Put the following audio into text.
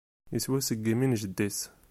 Iswa seg imi n jeddi-s.